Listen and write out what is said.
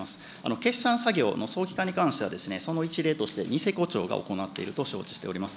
決算作業の早期化に関しては、その一例として、ニセコ町が行っていると承知をしております。